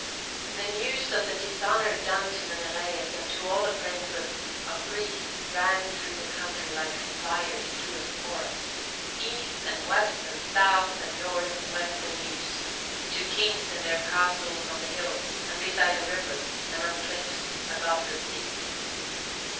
The news of the dishonour done to Menelaus and to all the princes of Greece ran through the country like fire through a forest. East and west and south and north went the news: to kings in their castles on the hills, and beside the rivers and on cliffs above the sea.